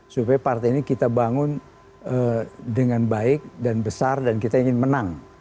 supaya partai ini kita bangun dengan baik dan besar dan kita ingin menang